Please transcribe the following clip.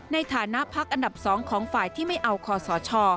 ในฐานะพักอันดับ๒ของฝ่ายที่ไม่เอาคอสช